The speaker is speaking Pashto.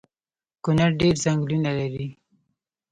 کونړ ډیر ځنګلونه لري